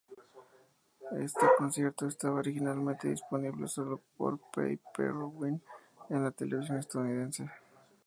Este concierto estaba originalmente disponible solo por Pay per view en la televisión estadounidense.